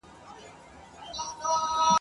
یو به زه یوه امسا وای له خپل زړه سره تنها وای !.